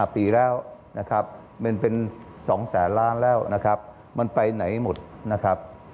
ปีแล้วนะครับมันเป็น๒แสนล้านแล้วนะครับมันไปไหนหมดนะครับ